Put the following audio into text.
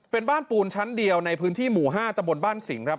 เป็นบ้านปูนชั้นเดียวในพื้นที่หมู่๕ตะบนบ้านสิงห์ครับ